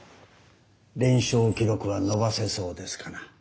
連勝記録は伸ばせそうですかな？